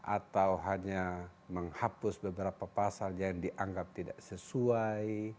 atau hanya menghapus beberapa pasal yang dianggap tidak sesuai